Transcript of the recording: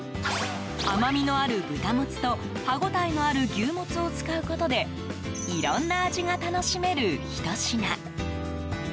甘味のある豚もつと歯応えのある牛もつを使うことでいろんな味が楽しめる、ひと品。